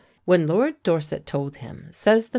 When Lord Dorset told him (says the MS.